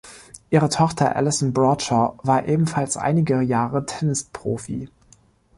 Ihre Tochter Allison Bradshaw war ebenfalls einige Jahre Tennisprofi.